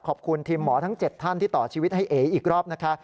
ขอบคุณทีมหมอทั้ง๗ท่านที่ต่อชีวิตให้เอ๋อีกรอบนะคะ